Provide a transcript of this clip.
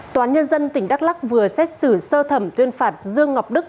toán nhân dân tỉnh đắk lắc vừa xét xử sơ thẩm tuyên phạt dương ngọc đức